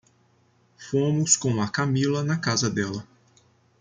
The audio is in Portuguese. Fomos com a Camila na casa dela.